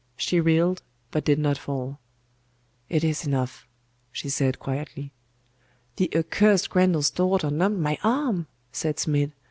She reeled, but did not fall. 'It is enough,' she said quietly. 'The accursed Grendel's daughter numbed my arm!' said Smid.